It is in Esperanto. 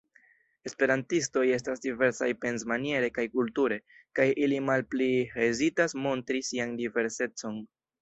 Esperantistoj estas diversaj pensmaniere kaj kulture, kaj ili malpli hezitas montri sian diversecon.